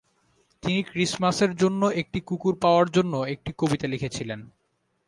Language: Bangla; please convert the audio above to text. তিনি ক্রিসমাসের জন্য একটি কুকুর পাওয়ার জন্য একটি কবিতা লিখেছিলেন।